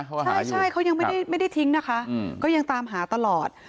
ใช่เขายังไม่ได้ทิ้งนะคะก็ยังตามหาตลอด